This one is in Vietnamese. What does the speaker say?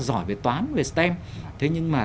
giỏi về toán về stem thế nhưng mà